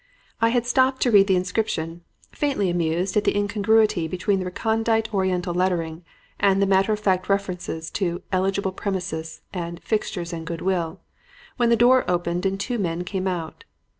I had stopped to read the inscription, faintly amused at the incongruity between the recondite Oriental lettering and the matter of fact references to 'eligible premises' and 'fixtures and goodwill,' when the door opened and two men came out.